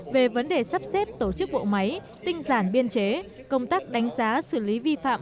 về vấn đề sắp xếp tổ chức bộ máy tinh giản biên chế công tác đánh giá xử lý vi phạm